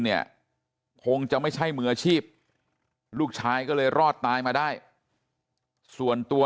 เนี่ยคงจะไม่ใช่มืออาชีพลูกชายก็เลยรอดตายมาได้ส่วนตัว